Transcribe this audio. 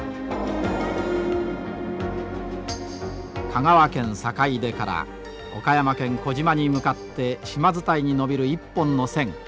香川県坂出から岡山県児島に向かって島伝いに延びる一本の線。